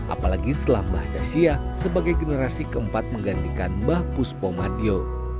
apalagi setelah mbah jasya sebagai generasi keempat menggantikan mbah puspa matio